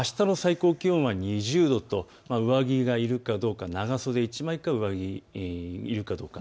あしたの最高気温は２０度と上着がいるかどうか、長袖１枚か上着がいるかどうか。